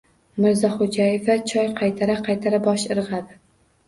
Mirzaxo‘jaeva choy qaytara-qaytara bosh irg‘adi.